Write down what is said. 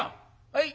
「はい。